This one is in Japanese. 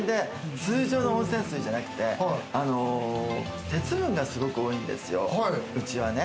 通常の温泉水じゃなくて、鉄分がすごく多いんですよ、うちはね。